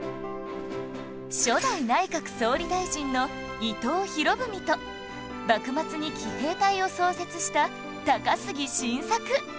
初代内閣総理大臣の伊藤博文と幕末に奇兵隊を創設した高杉晋作